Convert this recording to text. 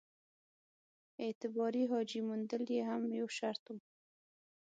اعتباري حاجي موندل یې هم یو شرط وو.